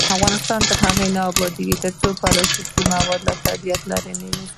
افغانستان تر هغو نه ابادیږي، ترڅو پلاستیکي مواد له طبیعت لرې نشي.